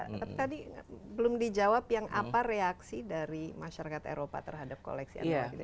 tapi tadi belum dijawab yang apa reaksi dari masyarakat eropa terhadap koleksi anak ini